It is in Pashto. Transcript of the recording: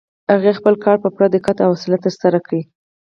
هغې خپل کار په پوره دقت او حوصله ترسره کړ.